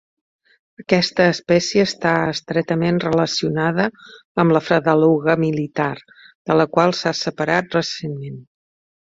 Aquesta espècie està estretament relacionada amb la fredeluga militar, de la qual s'ha separat recentment.